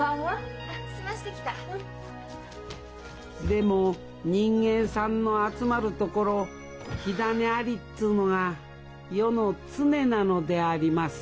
でも人間さんの集まる所火種ありっつうのが世の常なのであります